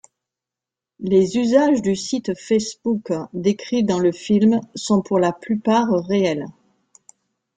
Les usages du site Facebook décrits dans le film sont pour la plupart réels.